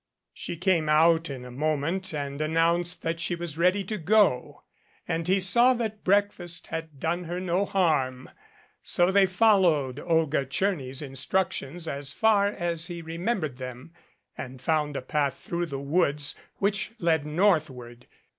She came out in a moment and announced that she was ready to go, and he saw that breakfast had done her no harm. So they followed Olga Tcherny's instructions as far as he remembered them and found a path through the woods which led northward.